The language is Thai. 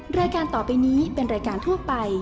รายการต่อไปนี้เป็นรายการทั่วไป